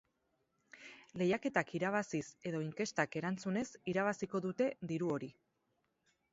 Lehiaketak irabaziz edo inkestak erantzunez irabaziko dute diru hori.